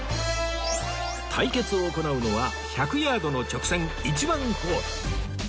対決を行うのは１００ヤードの直線１番ホール